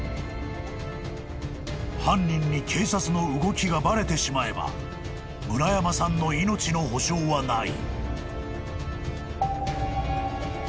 ［犯人に警察の動きがバレてしまえば村山さんの命の保証はない］